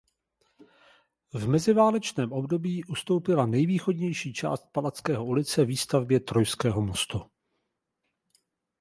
V meziválečném období ustoupila nejvýchodnější část Palackého ulice výstavbě Trojského mostu.